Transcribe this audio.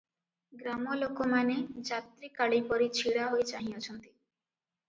ଗ୍ରାମଲୋକମାନେ ଯାତ୍ରାକାଳୀପରି ଛିଡ଼ାହୋଇ ଚାହିଁଅଛନ୍ତି ।